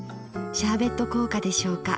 シャーベット効果でしょうか？